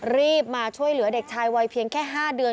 รีบมาช่วยเหลือเด็กชายวัยเพียงแค่๕เดือน